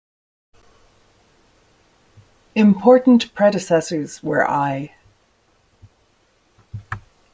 Important predecessors were I.